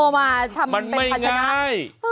ทำเป็นพัฒนาเฮ้ยมันไม่ง่าย